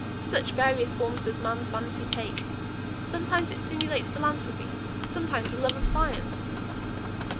Such various forms does man's vanity take! Sometimes it stimulates philanthropy; sometimes a love of science!"